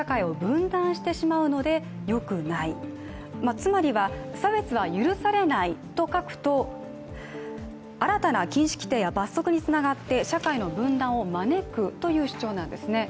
つまりは、差別は許されないと書くと新たな禁止規定や罰則につながって社会の分断を招くという主張なんですね。